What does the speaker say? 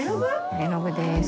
絵の具です。